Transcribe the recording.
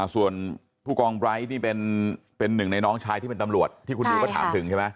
ส่วนผู้กองไร้นี่เป็นหนึ่งในน้องชายที่เป็นตำรวจที่คุณนิวก็ถามถึงใช่ไหม